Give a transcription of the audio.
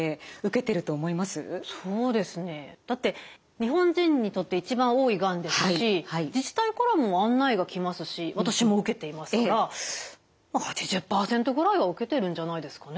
そうですねだって日本人にとって一番多いがんですし自治体からも案内が来ますし私も受けていますからまあ８０％ぐらいは受けてるんじゃないですかね。